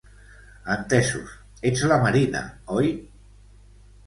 Entesos, ets la Marina, oi?